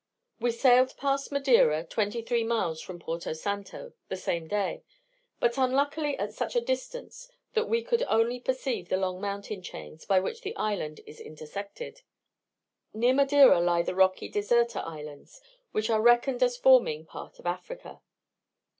We sailed past Madeira (23 miles from Porto Santo) the same day, but unluckily at such a distance that we could only perceive the long mountain chains by which the island is intersected. Near Madeira lie the rocky Deserta Islands, which are reckoned as forming part of Africa.